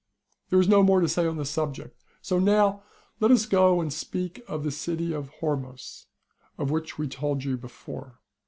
There is no more to say on this subject. So now let us go on and speak of the City of liormos, of which we told you before.